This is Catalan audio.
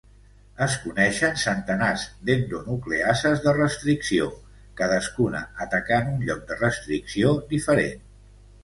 Es coneixen centenars d'endonucleases de restricció, cadascuna atacant un lloc de restricció diferent.